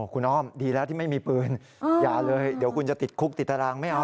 คุณอ้อมดีแล้วที่ไม่มีปืนอย่าเลยเดี๋ยวคุณจะติดคุกติดตารางไม่เอา